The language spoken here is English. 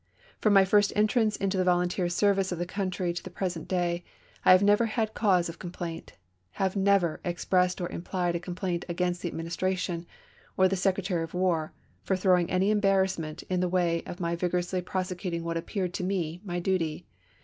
From my first entrance into the volunteer service of the country to the present day, I have never had cause of complaint — have never expressed or implied a complaint against the Administration, or the Secretary of War, for throwing any embarrassment in the way of my vigorously prosecuting what appeared to me my duty.